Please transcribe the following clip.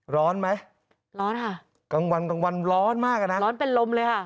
ร้อนไหมร้อนค่ะกลางวันกลางวันร้อนมากอ่ะนะร้อนเป็นลมเลยค่ะ